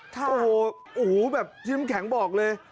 ถ้าโอ้โหโอ้โหแบบชิ้น้ำแข็งบอกเลย